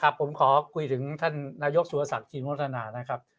ผมขอคุยถึงท่านนายกสุรศักดิ์วัฒนานะครับ